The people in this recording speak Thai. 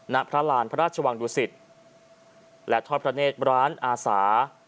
ณพระราณพระราชวังดุสิตและทอดพระเนธร้านอาสา